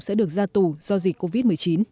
sẽ được ra tù do dịch covid một mươi chín